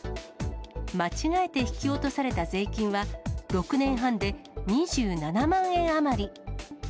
間違えて引き落とされた税金は、６年半で２７万円余り。